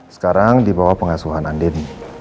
sekarang dibawa pengasuhan andin